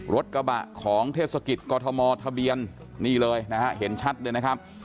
รถกระบะของเทศกิจกรทมทะเบียนนี่เลยนะฮะเห็นชัดเลยนะครับ